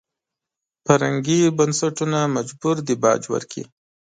فرهنګي بنسټونه مجبور دي باج ورکړي.